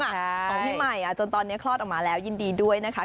ของพี่ใหม่จนตอนนี้คลอดออกมาแล้วยินดีด้วยนะคะ